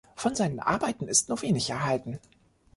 Von seinen Arbeiten ist nur wenig erhalten.